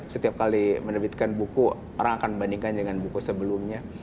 setiap kali menerbitkan buku orang akan membandingkan dengan buku sebelumnya